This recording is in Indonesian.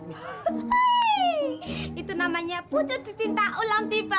hei itu namanya pujuh dicinta ulang tiba